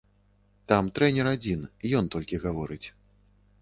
Там трэнер адзін, ён толькі гаворыць.